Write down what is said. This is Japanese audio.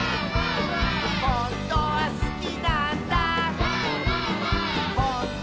「ほんとはすきなんだ」